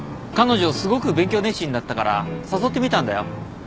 彼女すごく勉強熱心だったから誘ってみたんだよ。